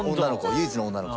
唯一の女の子。